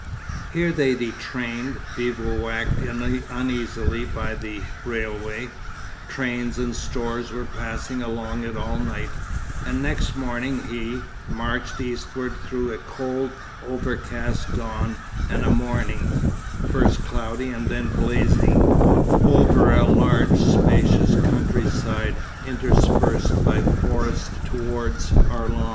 Here they detrained, bivouacked uneasily by the railway—trains and stores were passing along it all night—and next morning he marched eastward through a cold, overcast dawn, and a morning, first cloudy and then blazing, over a large spacious country side interspersed by forest towards Arlon.